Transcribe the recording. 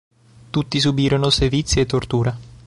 Tutti subirono sevizie e torture.